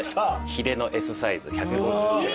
ヒレのＳサイズ１５０ｇで。